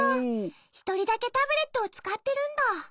ひとりだけタブレットをつかってるんだ。